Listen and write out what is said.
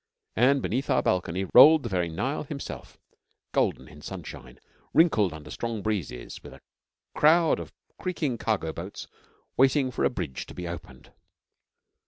And beneath our balcony rolled very Nile Himself, golden in sunshine, wrinkled under strong breezes, with a crowd of creaking cargo boats waiting for a bridge to be opened.